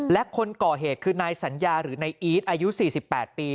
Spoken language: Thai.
และคนก่อเหตุคือนายสัญญาหรือนายอีทอายุ๔๘ปี